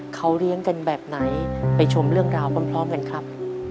เขาเลี้ยงกันแบบไหนไปชมเรื่องราวพร้อมกันครับ